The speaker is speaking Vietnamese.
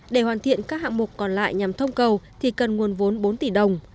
để hoàn thiện các hạng mục còn lại nhằm thông cầu thì cần nguồn vốn bốn tỷ đồng